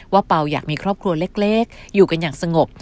เปล่าอยากมีครอบครัวเล็กอยู่กันอย่างสงบ